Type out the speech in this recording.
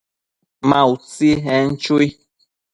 Ma utsi, en chui